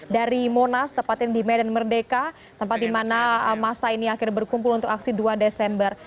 dari monas tepatnya di medan merdeka tempat di mana masa ini akhirnya berkumpul untuk aksi dua desember